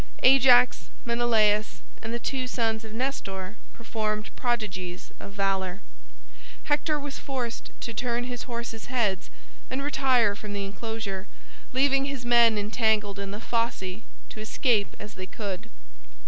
Ajax, Menelaus, and the two sons of Nestor performed prodigies of valor. Hector was forced to turn his horses' heads and retire from the enclosure, leaving his men entangled in the fosse to escape as they could.